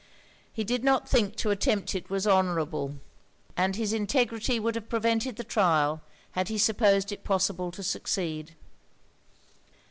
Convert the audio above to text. He did not think that to attempt it was honourable; and his integrity would have prevented the trial, had he supposed it possible to succeed.